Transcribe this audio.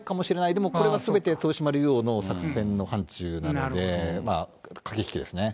でもこれがすべて豊島竜王の作戦の範ちゅうなんで、駆け引きです